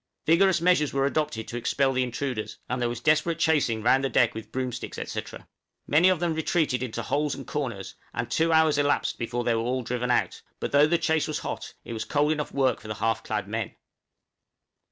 Vigorous measures were adopted to expel the intruders, and there was desperate chasing round the deck with broomsticks, &c. Many of them retreated into holes and corners, and two hours elapsed before they were all driven out; but though the chase was hot, it was cold enough work for the half clad men.